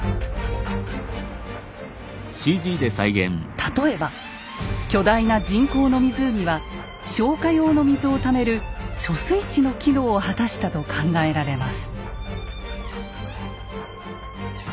例えば巨大な人工の湖は消火用の水をためる貯水池の機能を果たしたと考えられます。